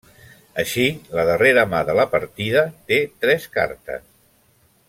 Així la darrera mà de la partida té tres cartes.